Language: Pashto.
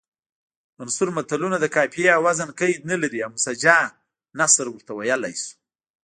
منثور متلونه د قافیې او وزن قید نلري او مسجع نثر ورته ویلی شو